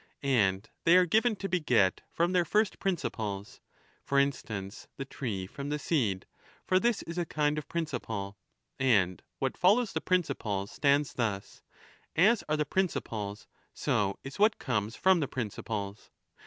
And they are given to beget from their first principles — for instance, the tree from the seed ; for this is a kind of principle. And what follows the principles stands thus : as are the principles, so is what comes from the principles.